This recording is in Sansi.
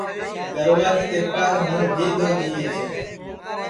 گَروا کی کِرپاس ہوں بھی دؔوجینٚیس ہے